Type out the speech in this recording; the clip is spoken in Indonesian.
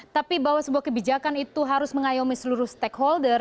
tapi bahwa sebuah kebijakan itu harus mengayomi seluruh stakeholder